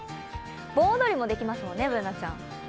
盆踊りもできますもんね、Ｂｏｏｎａちゃん。